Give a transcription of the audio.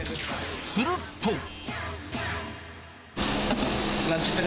すると。